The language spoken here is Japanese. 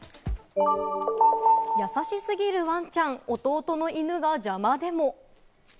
やさし過ぎるワンちゃん、弟の犬が邪魔でも。